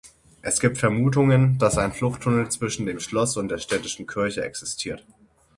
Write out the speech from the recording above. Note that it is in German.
Es gibt Vermutungen, dass ein Fluchttunnel zwischen dem Schloss und der städtischen Kirche existiert.